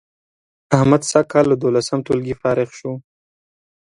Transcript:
احمد سږ کال له دولسم ټولگي فارغ شو